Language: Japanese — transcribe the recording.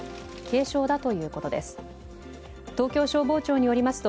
軽症だということです。